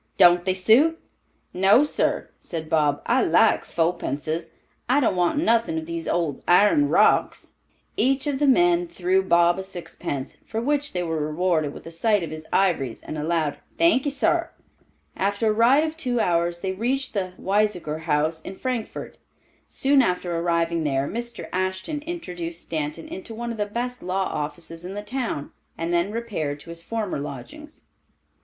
"Don't they suit?" "No, sir," said Bob. "I like fopences; I don't want nothin' of these old iron rocks." Each of the men threw Bob a sixpence, for which they were rewarded with a sight of his ivories and a loud "thank ee sar." After a ride of two hours they reached the Weisiger House in Frankfort. Soon after arriving there, Mr. Ashton introduced Stanton into one of the best law offices in the town, and then repaired to his former lodgings.